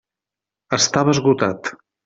Estava esgotat.